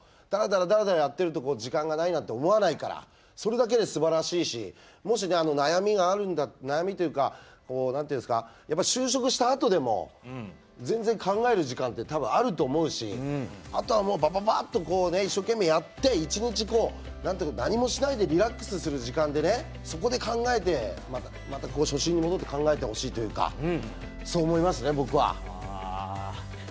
だらだらやってると時間がないなんて思わないからそれだけで、すばらしいしもし悩みというか就職したあとでも全然、考える時間って多分、あると思うしあとは、バババッと一生懸命やって１日何もしないでリラックスする時間でそこで考えて、また初心に戻って考えてほしいというかそう思いますね、僕は。